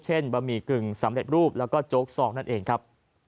บะหมี่กึ่งสำเร็จรูปแล้วก็โจ๊กซองนั่นเองครับ